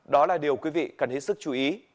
đó là điều quý vị cần hết sức chú ý